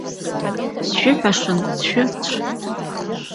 Сшәыҳәашан, сшәырцә!